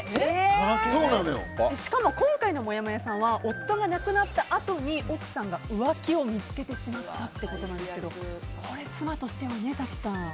しかも今回のもやもやさんは夫が亡くなったあと奥さんが浮気を見つけてしまったということですがこれ妻としてはね、早紀さん。